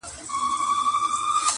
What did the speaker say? غلط دودونه نسلونه خرابوي ډېر,